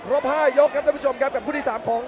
รอบห้ายกครับทุกผู้ชมครับกับผู้ที่สามของ